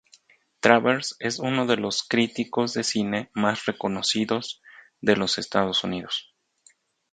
Travers es uno de los críticos de cine más reconocidos de los Estados Unidos.